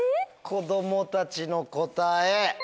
子供たちの答え。